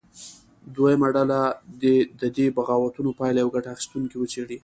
دویمه ډله دې د دې بغاوتونو پایلې او ګټه اخیستونکي وڅېړي.